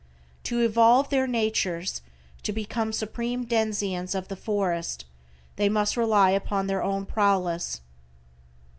To evolve their natures, to become supreme denizens of the forest they must rely upon their own prowess.